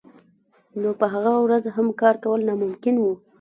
نو په هغه ورځ هم کار کول ناممکن وو